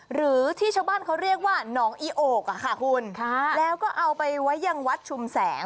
หรือที่ชาวบ้านเขาเรียกว่าหนองอีโอกอะค่ะคุณแล้วก็เอาไปไว้ยังวัดชุมแสง